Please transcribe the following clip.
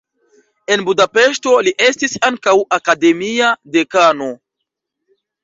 En Budapeŝto li estis ankaŭ akademia dekano.